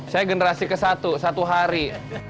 saya generasi ke satu satu hari